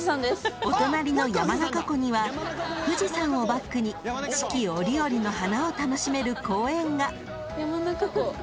［お隣の山中湖には富士山をバックに四季折々の花を楽しめる公園が］